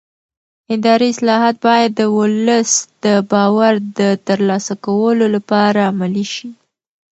اداري اصلاحات باید د ولس د باور د ترلاسه کولو لپاره عملي شي